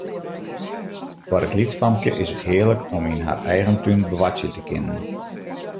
Foar it lytsfamke is it hearlik om yn har eigen tún boartsje te kinnen.